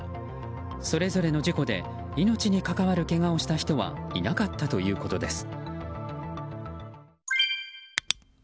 それぞれの事故で命に関わるけがをした人はいなかったということです。